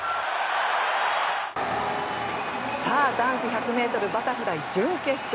男子１００ｍバタフライ準決勝。